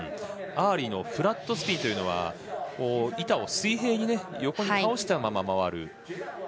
アーリーのフラットスピンというのは板を水平に、横に倒したまま回る。